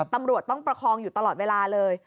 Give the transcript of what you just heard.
ตำรวจต้องประคองอยู่ตลอดเวลาเลย